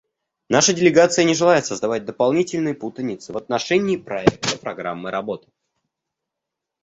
Наша делегация не желает создавать дополнительной путаницы в отношении проекта программы работы.